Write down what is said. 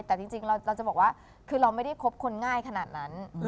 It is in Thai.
แต่จริงเราจะบอกว่าคือเราไม่ได้คบคนง่ายขนาดนั้น